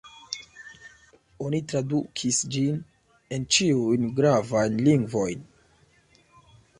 Oni tradukis ĝin en ĉiujn gravajn lingvojn.